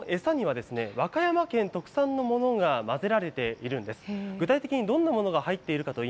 というのも、この餌には、和歌山県特産のものが混ぜられているんです。